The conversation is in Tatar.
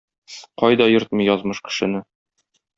Кайда йөртми язмыш кешене.